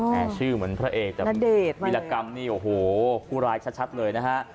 ชื่อเหมือนพระเอกแต่วิรากรรมนี่โอ้โหผู้ร้ายชัดเลยนะฮะ